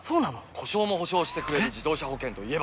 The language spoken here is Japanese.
故障も補償してくれる自動車保険といえば？